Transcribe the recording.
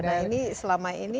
nah ini selama ini